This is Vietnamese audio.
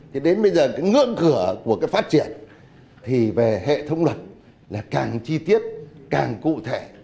thì đến bây giờ cái ngưỡng cửa của cái phát triển thì về hệ thống luật là càng chi tiết càng cụ thể